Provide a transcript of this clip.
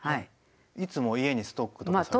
いつも家にストックとかされてる。